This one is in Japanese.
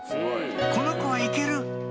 この子は行ける！